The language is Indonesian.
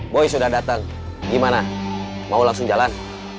boy sudah datang gimana mau langsung jalan